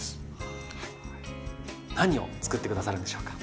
はぁ何を作って下さるんでしょうか？